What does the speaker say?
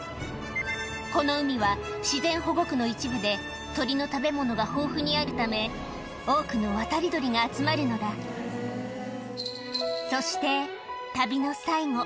この海は自然保護区の一部で鳥の食べ物が豊富にあるため多くの渡り鳥が集まるのだそして旅の最後